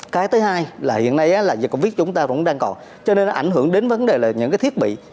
cái thứ hai là hiện nay là dịch covid chúng ta cũng đang còn cho nên nó ảnh hưởng đến vấn đề là những cái thiết bị